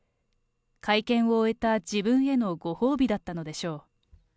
会見を終えた自分へのご褒美だったのでしょう。